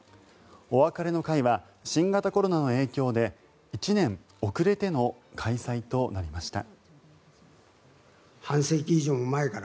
お別れの会は新型コロナの影響で１年遅れての開催となりました。